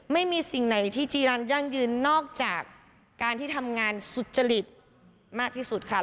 ไม่มีสิ่งไหนที่จีรันยั่งยืนนอกจากการที่ทำงานสุจริตมากที่สุดค่ะ